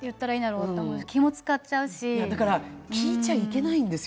だから聞いちゃいけないんですよ。